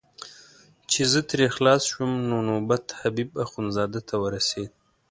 چې زه ترې خلاص شوم نو نوبت حبیب اخندزاده ته ورسېد.